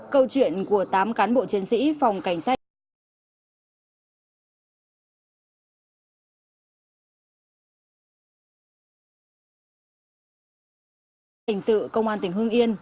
câu chuyện của tám cán bộ chiến sĩ phòng cảnh sát hình sự công an tỉnh hương yên